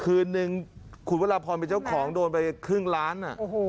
คืนนึงขุดเวลาพอมีเจ้าของโดนไปครึ่งล้าน